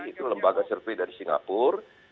itu lembaga survei dari singapura